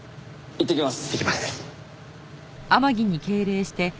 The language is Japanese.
いってきます。